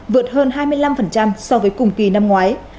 vượt hơn hai mươi năm so với cùng kỳ năm ngoái